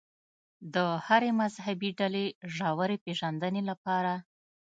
د هرې مذهبي ډلې ژورې پېژندنې لپاره.